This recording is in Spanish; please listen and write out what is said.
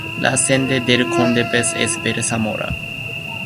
La sede del condado es Bessemer.